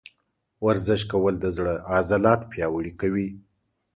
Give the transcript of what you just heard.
ورزش کول د زړه عضلات پیاوړي کوي.